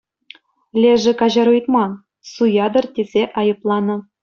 Лешӗ каҫару ыйтман, суятӑр тесе айӑпланӑ.